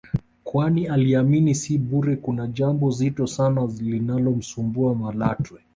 kwani aliamini si bure kuna jambo zito sana linalomsumbua Malatwe